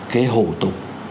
cái hủ tục